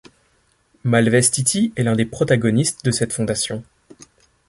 Malvestiti est l'un des protagonistes de cette fondation.